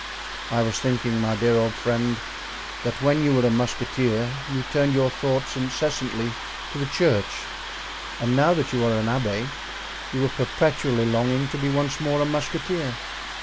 "I was thinking, my dear old friend, that when you were a musketeer you turned your thoughts incessantly to the church, and now that you are an abbé you are perpetually longing to be once more a musketeer."